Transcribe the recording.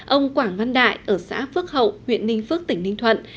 ông quảng văn đại ở xã phước hậu huyện ninh phước tỉnh ninh thuận